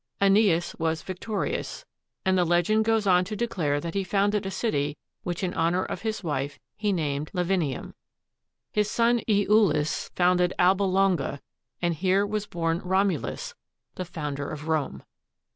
^neas was victorious, and the legend goes on to declare that he founded a city which, in honor of his wife, he named Lavin ium. His son lulus founded Alba Longa, and here was born Romulus, the founder of Rome.